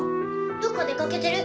どっか出掛けてる。